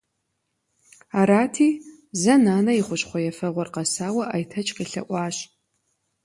Арати, зэ нанэ и хущхъуэ ефэгъуэр къэсауэ Айтэч къелъэӀуащ.